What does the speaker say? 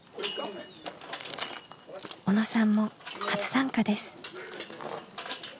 小野さんも初参加です。